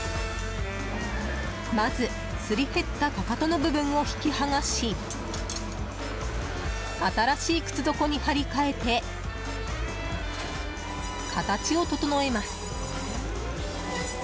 まず、すり減ったかかとの部分を引き剥がし新しい靴底に張り替えて形を整えます。